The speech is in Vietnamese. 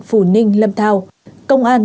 phù ninh lâm thao công an